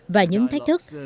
và những thách thức